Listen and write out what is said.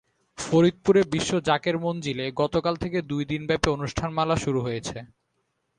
ফরিদপুরে বিশ্ব জাকের মঞ্জিলে গতকাল থেকে দুই দিনব্যাপী অনুষ্ঠানমালা শুরু হয়েছে।